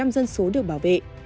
sáu mươi bốn dân số được bảo vệ